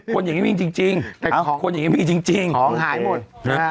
คนอย่างงี้มีจริงจริงผ้องหายหมด